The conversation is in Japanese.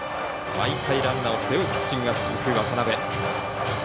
毎回ランナーを背負うピッチングが続く渡邊。